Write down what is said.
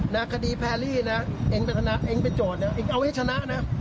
นะคดีแพรรี่นะเองเป็นธนาเองเป็นโจทนะเองเอาให้ชนะนะ